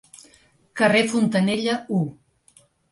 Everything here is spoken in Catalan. Carrer Fontanella, u.